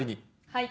はい。